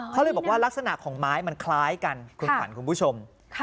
เขาเลยบอกว่าลักษณะของไม้มันคล้ายกันคุณขวัญคุณผู้ชม